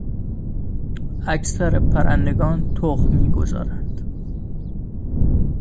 اکثر پرندگان تخم میگذارند.